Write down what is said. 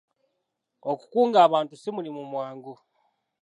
Okukunga abantu si mulimu mwangu.